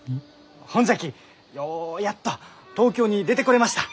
ほんじゃきようやっと東京に出てこれました。